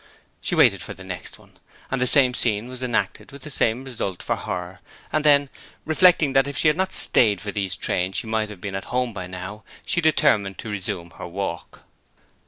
She waited for the next one, and the same scene was enacted with the same result for her, and then, reflecting that if she had not stayed for these trams she might have been home by now, she determined to resume her walk.